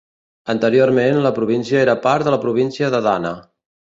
Anteriorment, la província era part de la província d'Adana.